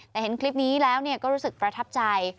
แต่เห็นคลิปนี้แล้วก็รู้สึกประทับใจ